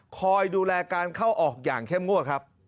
คอยดูแลการเข้าออกอย่างเข้มงวดครับ